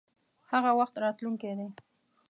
هغه وخت راتلونکی دی.